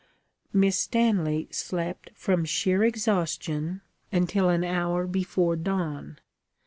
Miss Stanley slept from sheer exhaustion until an hour before dawn.